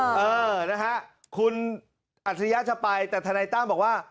เออนะฮะคุณอัจฉริยะจะไปแต่ทนายตั้มบอกว่า